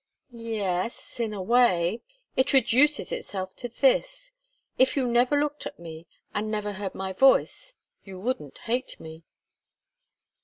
"Yes in a way. It reduces itself to this if you never looked at me, and never heard my voice, you wouldn't hate me."